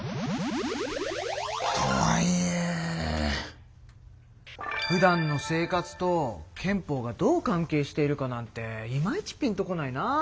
とはいえ。ふだんの生活と憲法がどう関係しているかなんてイマイチピンと来ないな。